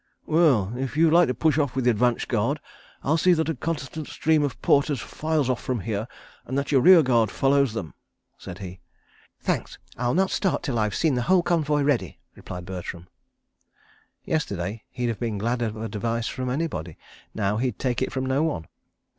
"Well—if you like to push off with the advance guard, I'll see that a constant stream of porters files off from here, and that your rear guard follows them," said he. "Thanks—I'll not start till I've seen the whole convoy ready," replied Bertram. Yesterday he'd have been glad of advice from anybody. Now he'd take it from no one.